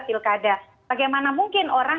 pilkada bagaimana mungkin orang